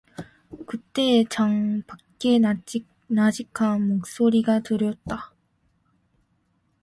그때에 창 밖에 나직한 목소리가 들렸다.